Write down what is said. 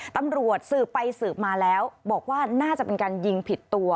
ตำรวจสืบไปสืบมาแล้วบอกว่าน่าจะเป็นการยิงผิดตัว